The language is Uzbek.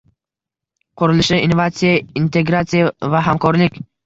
Qurilishda innovatsiya, integratsiya va hamkorlik